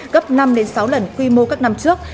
gấp năm sáu lần quy mô các năm trước